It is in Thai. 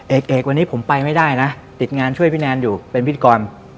เอกเอกวันนี้ผมไปไม่ได้นะติดงานช่วยพี่แนนอยู่เป็นพิธีกร